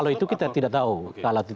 kalau itu kita tidak tahu alat